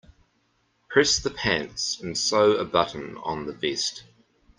Press the pants and sew a button on the vest.